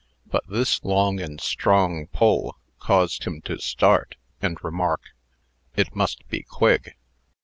But this long and strong pull caused him to start, and remark, "It must be Quigg."